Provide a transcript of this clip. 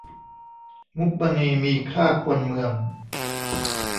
มุกมณีมีค่าควรเมือง